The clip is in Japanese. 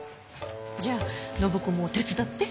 じゃあ暢子も手伝って。